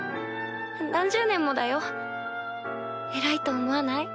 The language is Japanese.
何十年もだよ偉いと思わない？